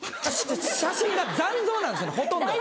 写真が残像なんですほとんど。